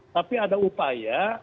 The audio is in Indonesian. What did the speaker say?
tapi ada upaya